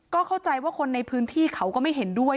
ก็เข้าใจว่าคนในพื้นที่เขาก็ไม่เห็นด้วย